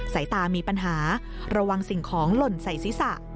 สายตามีปัญหาระวังสิ่งของหล่นใส่ศีรษะ